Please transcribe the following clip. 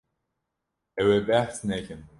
Ew ê behs nekin.